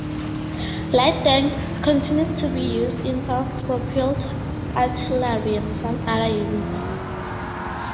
Light tanks continued to be used in self-propelled artillery and some other units.